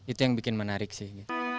itu yang bikin menarik sih